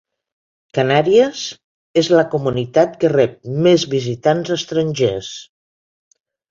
Canàries és la comunitat que rep més visitants estrangers.